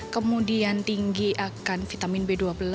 kemudian tinggi akan vitamin b dua belas